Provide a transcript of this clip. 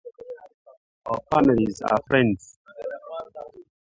Our families are friends.